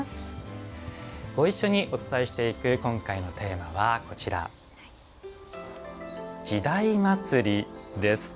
ご一緒にお伝えしていく今回のテーマは「時代祭」です。